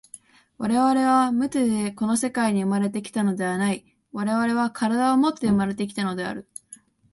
我々は無手でこの世界に生まれて来たのではない、我々は身体をもって生まれて来たのである。